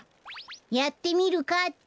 やってみるかって。